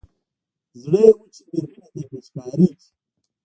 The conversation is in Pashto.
زړه يې و چې مېرمنې ته يې پېچکاري کړي.